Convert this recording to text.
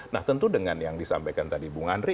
nah tentu dengan yang disampaikan tadi bung andri